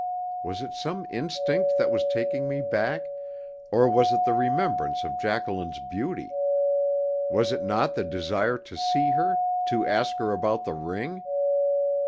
Was it some instinct that was taking me back, or was it the remembrance of Jacqueline's beauty? Was it not the desire to see her, to ask her about the ring?